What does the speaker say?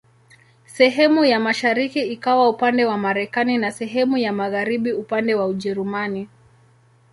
Sehemu ya mashariki ikawa upande wa Marekani na sehemu ya magharibi upande wa Ujerumani.